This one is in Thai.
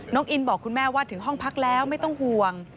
อินบอกคุณแม่ว่าถึงห้องพักแล้วไม่ต้องห่วง